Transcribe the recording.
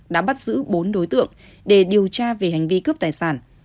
đã bắt giữ bốn đối tượng để điều tra về hành vi cướp tài sản